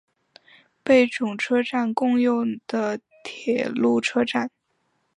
贝冢车站共用的铁路车站。